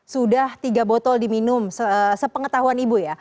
sudah tiga botol diminum sepengetahuan ibu ya